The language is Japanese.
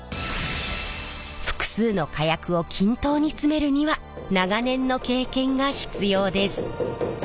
複数の火薬を均等に詰めるには長年の経験が必要です。